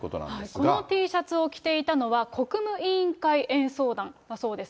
このＴシャツを着ていたのは、国務委員会演奏団だそうです。